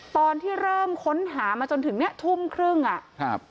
ตอนที่เริ่มค้นหามาจนถึงเนี้ยทุ่มครึ่งอ่ะครับ